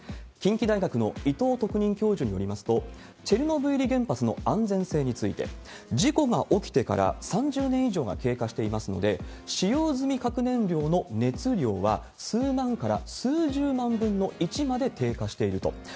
近畿大学の伊藤特任教授によりますと、チェルノブイリ原発の安全性について、事故が起きてから３０年以上が経過していますので、使用済み核燃料の熱量は数万から数十万分の１まで低下していると。